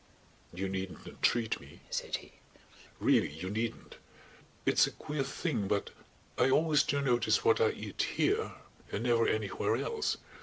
'" "You needn't entreat me," said he. "Really you needn't. It's a queer thing but I always do notice what I eat here and never anywhere else.